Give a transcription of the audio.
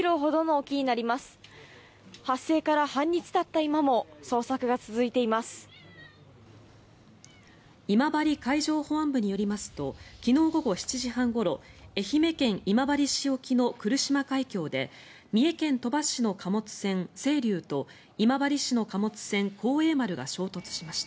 今治海上保安部によりますと昨日午後７時半ごろ愛媛県今治市沖の来島海峡で三重県鳥羽市の貨物船「せいりゅう」と今治市の貨物船「幸栄丸」が衝突しました。